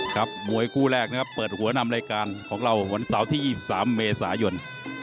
ครับมวยคู่แรกนะครับเปิดหัวนำรายการของเราวันเสาร์ที่๒๓เมษายน